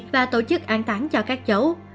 và tổ chức an tán cho các cháu